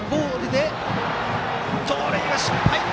盗塁は失敗！